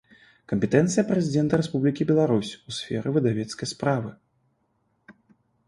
Кампетэнцыя Прэзiдэнта Рэспублiкi Беларусь у сферы выдавецкай справы